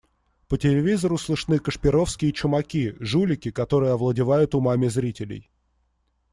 По телевизору слышны Кашпировские и Чумаки, жулики, которые овладевают умами зрителей.